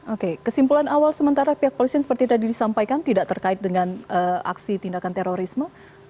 oke kesimpulan awal sementara pihak polisian seperti tadi disampaikan tidak terkait dengan aksi tindakan terorisme